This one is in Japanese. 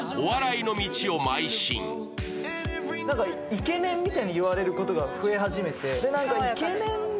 イケメンみたいに言われることが増え始めて。